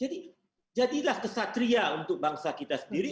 jadi jadilah kesatria untuk bangsa kita sendiri